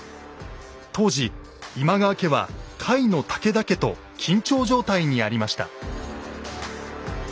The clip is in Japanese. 当時今川家は甲斐の武田家と緊張状態にありました。